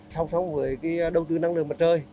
song song với đầu tư năng lượng mặt trời